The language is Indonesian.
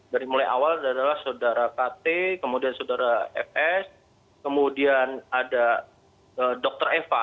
dari mulai awal adalah saudara kt kemudian saudara fs kemudian ada dr eva